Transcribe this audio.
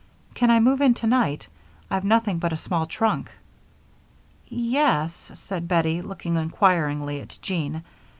Can I move in tonight? I've nothing but a small trunk." "Ye es," said Bettie, looking inquiringly at Jean.